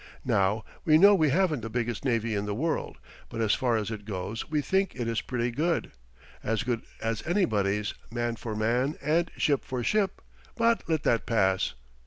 Now, we know we haven't the biggest navy in the world, but as far as it goes we think it is pretty good. As good as anybody's, man for man, and ship for ship but let that pass.